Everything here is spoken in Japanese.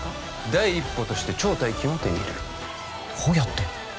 第一歩として超大金を手に入れるどうやって？